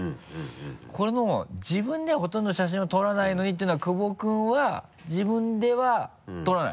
この「自分でほとんど写真を撮らないのに」っていうのは久保君は自分では撮らない？